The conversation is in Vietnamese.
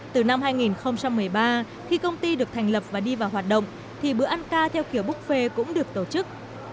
từ năm hai nghìn một mươi ba khi công ty được thành lập và đi vào hoạt động thì bữa ăn ca theo kiểu buffet cũng được tổ chức